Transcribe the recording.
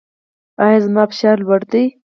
ایا زما فشار لوړ دی؟